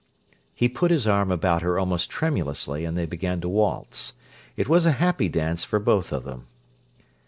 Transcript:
He put his arm about her almost tremulously, and they began to waltz. It was a happy dance for both of them.